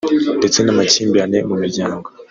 ndetse n’amakimbirane mu miryango